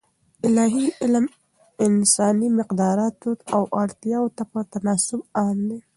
الاهي علم انساني مقدراتو او اړتیاوو ته په تناسب عام دی.